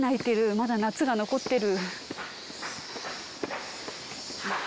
まだ夏が残ってる。